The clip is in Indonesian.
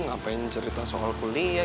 ngapain cerita soal kuliah